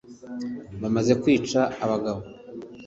Bamaze kwica abagabo